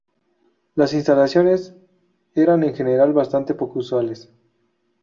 Las instalaciones eran en general bastante poco usuales.